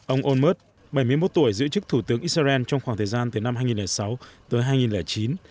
ông onmert bảy mươi một tuổi giữ chức thủ tướng israel trong khoảng thời gian từ năm hai nghìn sáu tới hai nghìn chín